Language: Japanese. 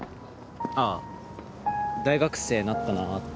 あぁ大学生なったなって。